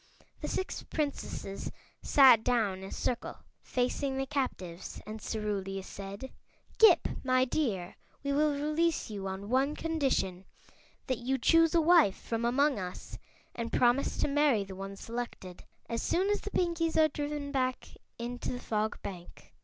The six Princesses sat down in a circle facing the captives and Cerulia said: "Ghip, my dear, we will release you on one condition: That you choose a wife from among us and promise to marry the one selected, as soon as the Pinkies are driven back into the Fog Bank."